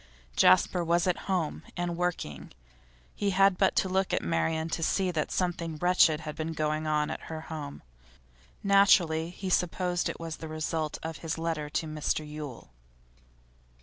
Jasper was at home, and working. He had but to look at Marian to see that something wretched had been going on at her home; naturally he supposed it the result of his letter to Mr Yule.